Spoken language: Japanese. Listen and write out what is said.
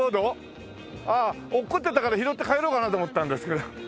ああ落っこってたから拾って帰ろうかなと思ったんですけど。